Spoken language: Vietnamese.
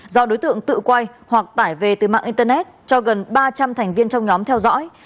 do đối tượng tự quay hoặc tải về từ mạng internet cho gần ba trăm linh thành viên trong nhóm theo dõi